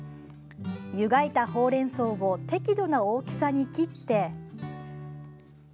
湯がいたほうれん草を適度な大きさに切って。